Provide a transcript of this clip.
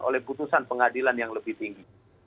oleh putusan pengadilan yang lebih tinggi